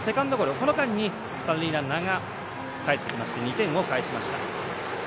この間に三塁ランナーがかえってきまして２点を返しました。